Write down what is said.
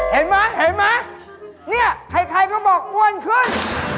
เห็นไหมนี่ใครก็บอกอ้วนขึ้น